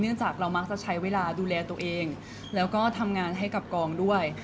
จากเรามักจะใช้เวลาดูแลตัวเองแล้วก็ทำงานให้กับกองด้วย